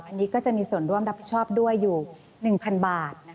อันนี้ก็จะมีส่วนร่วมรับผิดชอบด้วยอยู่๑๐๐๐บาท